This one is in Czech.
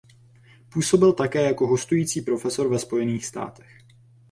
Působil také jako hostující profesor ve Spojených státech.